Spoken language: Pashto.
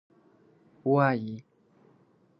وایي.